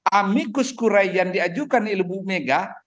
amigos core yang diajukan ibu mega